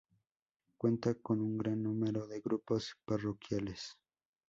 Cuenta con un gran número de grupos parroquiales.